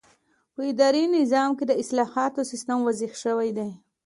په اداري نظام کې د اصلاحاتو سیسټم واضح شوی دی.